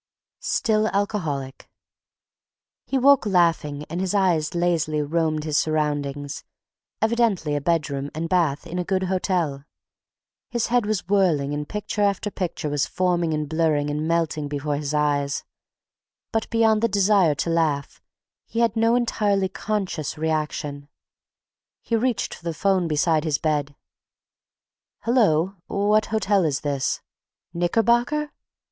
STILL ALCOHOLIC He awoke laughing and his eyes lazily roamed his surroundings, evidently a bedroom and bath in a good hotel. His head was whirring and picture after picture was forming and blurring and melting before his eyes, but beyond the desire to laugh he had no entirely conscious reaction. He reached for the 'phone beside his bed. "Hello—what hotel is this—? "Knickerbocker?